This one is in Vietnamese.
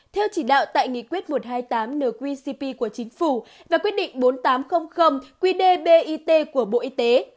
theo chỉ đạo tại nghị quyết một trăm hai mươi tám nqcp của chính phủ và quyết định bốn nghìn tám trăm linh qdbit của bộ y tế